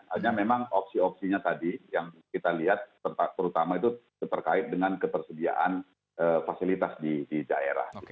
hanya memang opsi opsinya tadi yang kita lihat terutama itu terkait dengan ketersediaan fasilitas di daerah